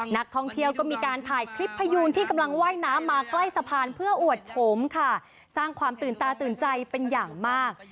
นักท่องเที่ยวก็มีการถ่ายคลิปพยูนที่กำลังว่ายน้ำมาใกล้สะพานเพื่ออวดโฉมค่ะสร้างความตื่นตาตื่นใจเป็นอย่างมาก